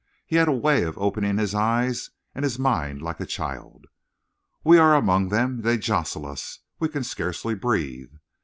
He had a way of opening his eyes and his mind like a child. "We are among them; they jostle us; we can scarcely breathe.